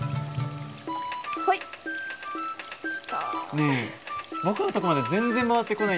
ねえ僕のとこまで全然回ってこないんだけど。